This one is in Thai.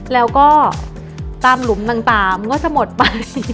แล้วก็ตามหลุมต่างก็จะหมดไป